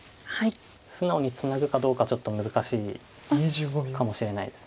素直にツナぐかどうかちょっと難しいかもしれないです。